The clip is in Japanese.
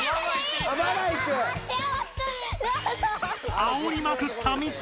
あおりまくったミツキ！